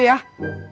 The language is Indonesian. iya pak rw